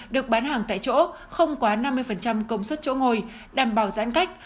được bán hàng tại chỗ không quá năm mươi công suất chỗ ngồi đảm bảo giãn cách